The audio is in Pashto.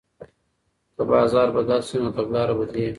که بازار بدل شي نو تګلاره بدلیږي.